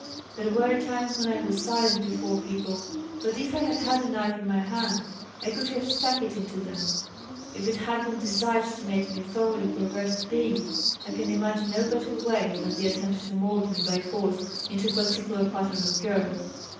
There were times when I was silent before people, but if I had had a knife in my hand I could have stuck it into them. If it had been desired to make me a thoroughly perverted being I can imagine no better way than the attempt to mould me by force into a particular pattern of girl.